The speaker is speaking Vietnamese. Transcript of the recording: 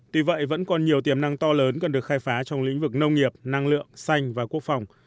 tuy vậy vẫn còn nhiều tiềm năng to lớn cần được khai phá trong lĩnh vực nông nghiệp năng lượng xanh và quốc phòng